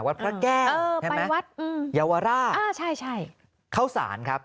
วัดพระแก้วเออไปวัดอืมเยาวราชอ่าใช่ใช่เข้าสารครับ